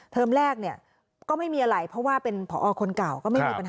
แรกเนี่ยก็ไม่มีอะไรเพราะว่าเป็นผอคนเก่าก็ไม่มีปัญหา